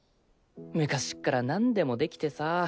昔っから何でも出来てさぁ。